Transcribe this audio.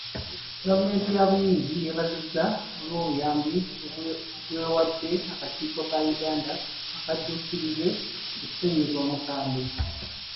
Gavumenti ya Buyindi yeebazibwa olw'obuyambi bw'ewadde akakiiko ka Uganda akadduukirize ku ssennyiga omukambwe.